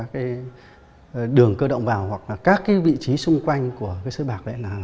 thường là các cái đường cơ động vào hoặc là các cái vị trí xung quanh của cái sới bạc đấy là